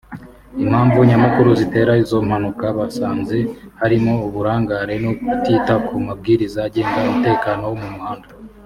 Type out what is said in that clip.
Impamvu Nyamukuru zitera izo mpanuka basanze harimo uburangare no kutita ku mabwiriza agenga umutekano wo mu muhanda